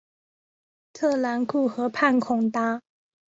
特兰库河畔孔达。